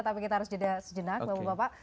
tapi kita harus jeda sejenak bapak bapak